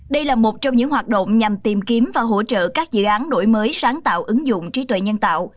đây là một trong những hoạt động nhằm tìm kiếm và hỗ trợ các dự án đổi mới sáng tạo ứng dụng trí tuệ nhân tạo